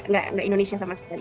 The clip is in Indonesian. nggak indonesia sama sekali